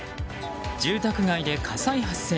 住宅街で火災発生。